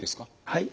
はい。